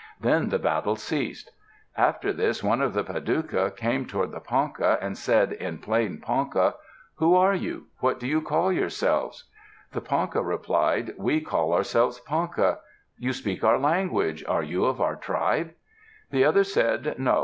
Then the battle ceased. After this, one of the Padouca came toward the Ponca and said in plain Ponca, "Who are you? What do you call yourselves?" The Ponca replied, "We call ourselves Ponca. You speak our language, are you of our tribe?" The other said, "No.